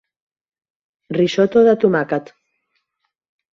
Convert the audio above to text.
Risotto de tomàquet.